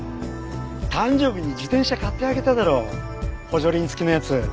誕生日に自転車買ってあげただろ補助輪付きのやつ。